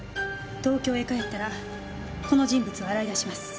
東京へ帰ったらこの人物を洗い出します。